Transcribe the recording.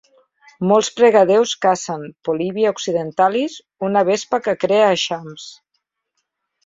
Molts pregadéus cacen "Polybia occidentalis", una vespa que crea eixams.